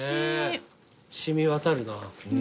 染み渡るな。